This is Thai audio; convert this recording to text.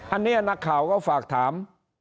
อันนี้นักข่าวก็ฝากถาม